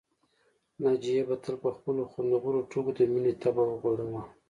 ناجيې به تل په خپلو خوندورو ټوکو د مينې طبع وغوړاوه